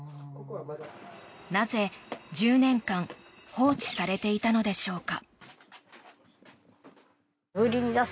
なぜ、１０年間放置されていたのでしょうか。